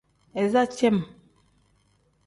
Iza cem.